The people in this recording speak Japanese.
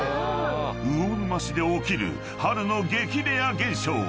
［魚沼市で起きる春の激レア現象］